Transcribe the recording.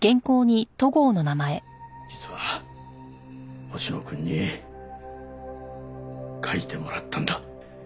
実は星野くんに書いてもらったんだ。